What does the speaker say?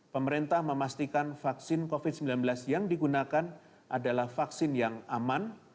pemerintah memastikan vaksin covid sembilan belas yang digunakan adalah vaksin yang aman